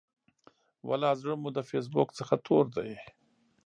ولا زړه مو د فیسبوک څخه تور دی.